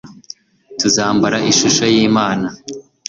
tuzambara ishusho y'imana